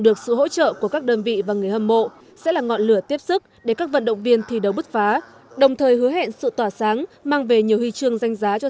đồng hành của vk frontier hàn quốc sẽ là nguồn động viên vật chất và tinh thần vô cùng quý báu